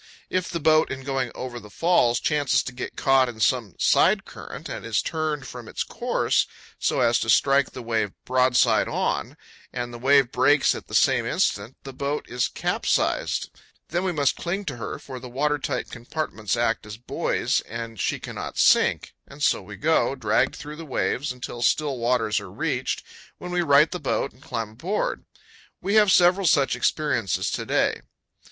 If the boat, in going over the falls, chances to get caught in some side current and is turned from its course, so as to strike the wave "broadside on," and the wave breaks at the same instant, the boat is capsized; then we must cling to her, for the water tight compartments act as buoys and she cannot sink; and so we go, dragged through the waves, until still waters are reached, when we right the boat and climb aboard. We have several such experiences to day.